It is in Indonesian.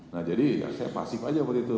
nah jadi saya pasif saja buat itu